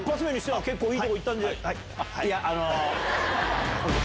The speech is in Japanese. はい。